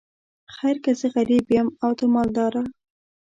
خیر که زه غریب یم او ته مالداره.